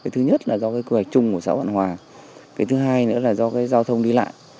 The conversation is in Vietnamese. thứ nhất là do cơ hội chung của xã vạn hòa thứ hai nữa là do giao thông đi lại